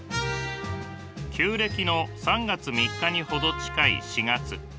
旧暦の３月３日に程近い４月。